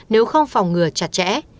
nếu không phòng ngừa chặt chẽ